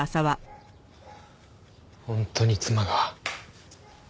本当に妻が。